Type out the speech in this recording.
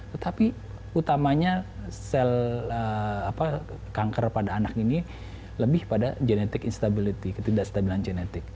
tetapi utamanya sel kanker pada anak ini lebih pada genetik instability ketidakstabilan genetik